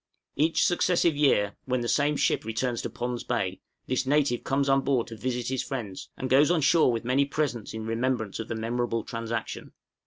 Each successive year, when the same ship returns to Pond's Bay, this native comes on board to visit his friends, and goes on shore with many presents in remembrance of the memorable transaction.